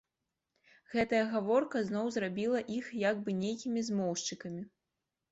Гэтая гаворка зноў зрабіла іх як бы нейкімі змоўшчыкамі.